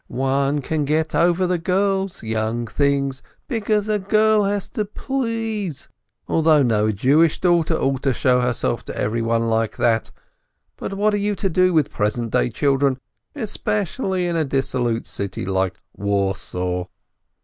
"One can get over the girls, young things, because a girl has got to please, although no Jewish daughter ought to show herself to everyone like that, but what are you to do with present day children, especially in a dissolute city like Warsaw?